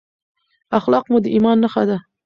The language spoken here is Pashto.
اخلاق مو د ایمان نښه ده.